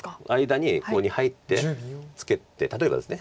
間にここに入ってツケて例えばです